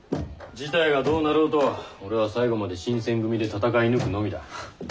事態がどうなろうと俺は最後まで新選組で戦いぬくのみだ。